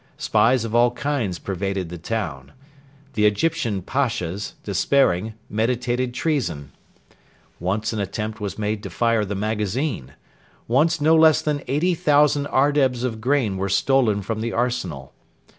Spies of all kinds pervaded the town. The Egyptian Pashas, despairing, meditated treason. Once an attempt was made to fire the magazine. Once no less than eighty thousand ardebs of grain was stolen from the arsenal.